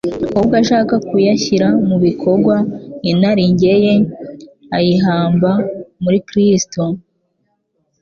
ahubwo ashaka no kuyashyira mu bikorwa. Inarijye ye ayihamba muri Kristo.